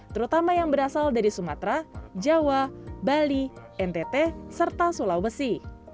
terutama yang berasal dari sumatera jawa bali ntt serta sulawesi